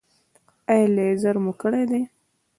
ایا لیزر مو کړی دی؟